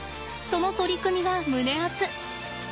その取り組みが胸アツ。